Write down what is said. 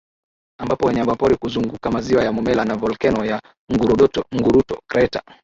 Ambapo wanyamapori kuzunguka Maziwa ya Momella na volkeno ya Ngurudoto Nguruto kreta